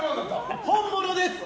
本物です。